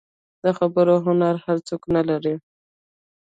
د خبرو هنر هر څوک نه لري.